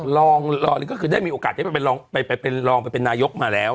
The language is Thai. รองก็คือได้มีโอกาสได้ไปเป็นรองไปเป็นนายกมาแล้ว